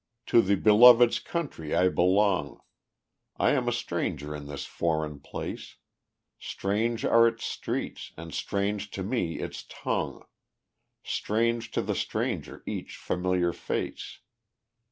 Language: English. To the Beloved's country I belong I am a stranger in this foreign place; Strange are its streets, and strange to me its tongue; Strange to the stranger each familiar face.